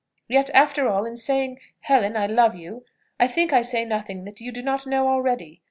Yet, after all, in saying, 'Helen, I love you,' I think I say nothing that you do not know already.